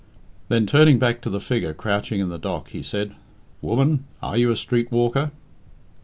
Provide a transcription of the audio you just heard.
Then, turning back to the figure crouching in the dock, he said, "Woman, are you a street walker?"